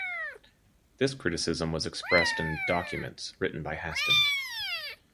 This criticism was expressed in documents written by Haston.